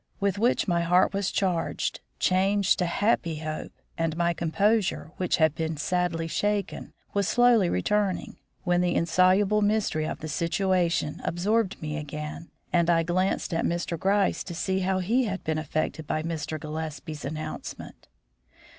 with which my heart was charged changed to "happy Hope," and my composure, which had been sadly shaken, was slowly returning, when the insoluable mystery of the situation absorbed me again, and I glanced at Mr. Gryce to see how he had been affected by Mr. Gillespie's announcement.